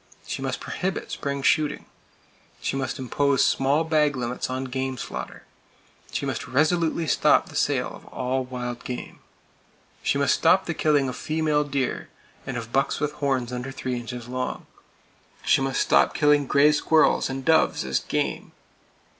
She must prohibit spring shooting. She must impose small bag limits on game slaughter. She must resolutely stop the sale of all wild game. She must stop the killing of female deer, and of bucks with horns under three inches long. She must stop killing gray squirrels and doves as "game."